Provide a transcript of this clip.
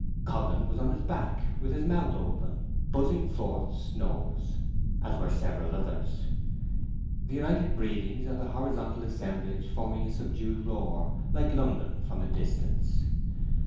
Coggan was on his back, with his mouth open, huzzing forth snores, as were several others; the united breathings of the horizonal assemblage forming a subdued roar like London from a distance.